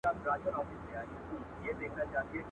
کرۍ ورځ پر باوړۍ ګرځي ګړندی دی ..